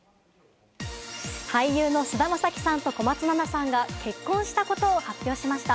俳優の菅田将暉さんと小松菜奈さんが結婚したことを発表しました。